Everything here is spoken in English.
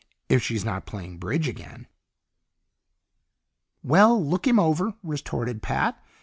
"If she's not playing bridge again!" "Well, look him over," retorted Pat.